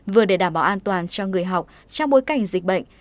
vừa để đảm bảo an toàn cho người học trong bối cảnh dịch bệnh